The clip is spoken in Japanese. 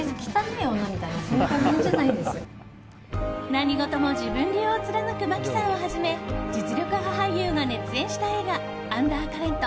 何事も自分流を貫く真木さんをはじめ実力派俳優が熱演した映画「アンダーカレント」。